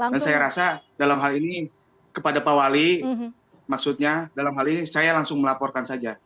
dan saya rasa dalam hal ini kepada pak wali maksudnya dalam hal ini saya langsung melaporkan saja